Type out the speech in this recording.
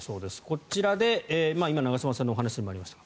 こちらで今、長嶋さんのお話にもありました